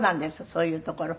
そういうところ。